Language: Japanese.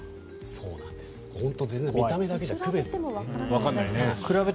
本当に全然見た目だけじゃ区別つかない。